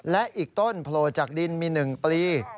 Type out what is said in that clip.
และอีกต้นโผล่จากดินมี๑ปลี